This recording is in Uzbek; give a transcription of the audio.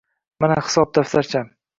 Mana hisob daftarcham.